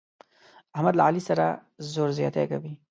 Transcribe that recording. احمد له علي سره زور زیاتی کوي.